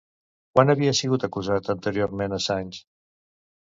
Quan havia sigut acusat anteriorment Assange?